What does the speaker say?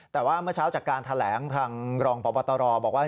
แต่ว่าเมื่อเช้าจากการแถลงทางรองพบตรบอกว่า